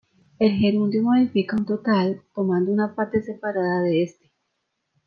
El gerundio modifica un total tomando una parte separada de este.